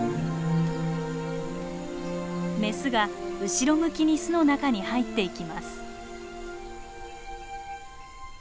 メスが後ろ向きに巣の中に入っていきます。